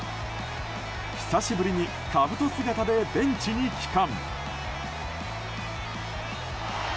久しぶりにかぶと姿でベンチに帰還。